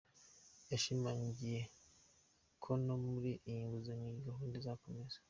Yashimangiye ko no muri iyi nguzanyo iyi gahunda izakomeza.